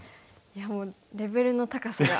いやもうレベルの高さが。